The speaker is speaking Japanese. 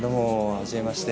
はじめまして。